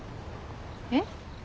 えっ？